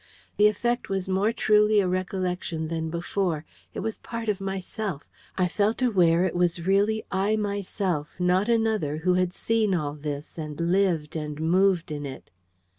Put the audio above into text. The effort was more truly a recollection than before: it was part of myself: I felt aware it was really I myself, not another, who had seen all this, and lived and moved in it.